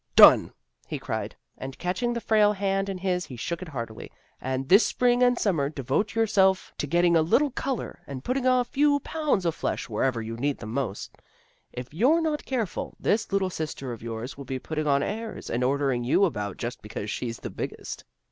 " Done! " he cried, and catching the frail hand in his he shook it heartily. " And this spring and summer devote yourself to getting 344 THE GIRLS OF FRIENDLY TERRACE a little color, and putting a few pounds of flesh wherever you need them most. If you're not careful, this little sister of yours will be putting on airs, and ordering you about just because she's the biggest."